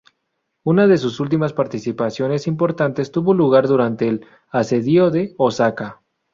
Una de sus últimas participaciones importantes tuvo lugar durante el Asedio de Osaka.